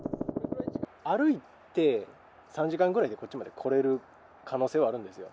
歩いて３時間ぐらいでこっちまで来れる可能性はあるんですよ。